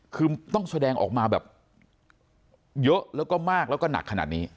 คือต้องแสดงออกมาแบบเยอะแล้วก็มากแล้วก็หนักขนาดนี้